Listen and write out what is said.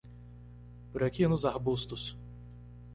Por aqui nos arbustos.